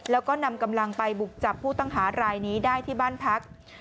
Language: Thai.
แล้วก็นำกำลังไปบุกจับผู้ต้องหารายนี้ได้ที่บ้านพัก